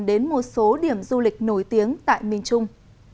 đến một số điểm du lịch nổi tiếng tại miền trung